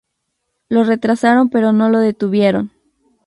Lo retrasaron pero no lo detuvieron.